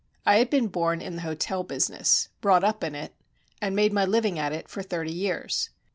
I had been born in the hotel business, brought up in it, and made my living at it for thirty years.